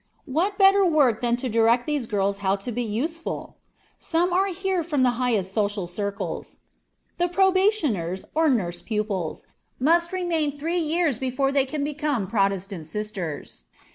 What better work than to direct these girls how to be useful? Some are here from the highest social circles. The "probationers," or nurse pupils, must remain three years before they can become Protestant "sisters."